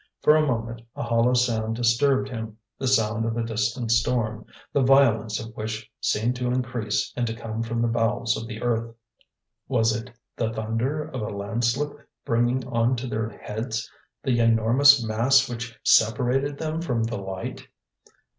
For a moment a hollow sound disturbed him, the sound of a distant storm, the violence of which seemed to increase and to come from the bowels of the earth. Was it the thunder of a landslip bringing on to their heads the enormous mass which separated them from the light?